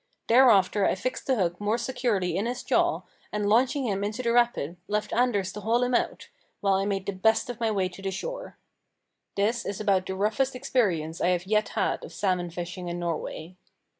Thereafter I fixed the hook more securely in his jaw, and, launching him into the rapid, left Anders to haul him out, while I made the best of my way to the shore. This is about the roughest experience I have yet had of salmon fishing in Norway.